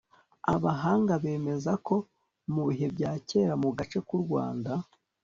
abahanga bemeza ko mu bihe bya kera mu gace k'u rwanda